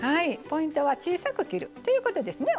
ポイントは小さく切るということですね